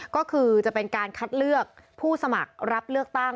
ก็คือจะเป็นการคัดเลือกผู้สมัครรับเลือกตั้ง